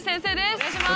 お願いします！